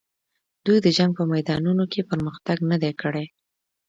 دوی د جنګ په میدانونو کې پرمختګ نه دی کړی.